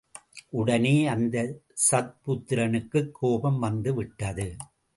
உடனே அந்தச் சத்புத்திரனுக்குக் கோபம் வந்து விட்டது.